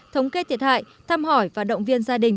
thống kê thiệt hại thăm hỏi và động viên gia đình